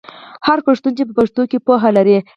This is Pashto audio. هر پښتون چې په پښتو کې پوهه لري.